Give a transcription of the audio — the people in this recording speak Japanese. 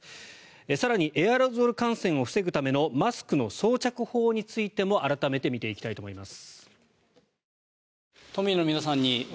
更にエアロゾル感染を防ぐためのマスクの装着法についても改めて見ていきたいと思います。